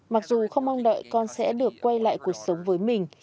mặc dù không mong đợi con sẽ được quay lại cuộc sống với mình